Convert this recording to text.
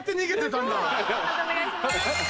判定お願いします。